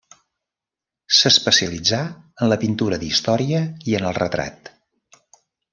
S'especialitzà en la pintura d'història i en el retrat.